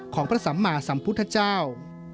ของพระสัมมาสัมพุทธเจ้า